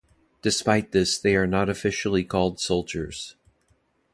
Despite this they are not officially called soldiers.